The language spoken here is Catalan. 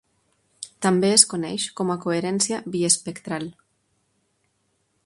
També es coneix com a coherència biespectral.